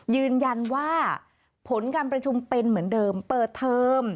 ยืนยันว่าผลการประชุมเป็นเหมือนเดิมเปิดเทอม